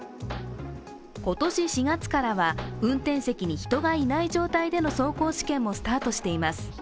今年４月からは運転席に人がいない状態での走行試験もスタートしています。